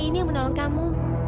ini yang menolong kamu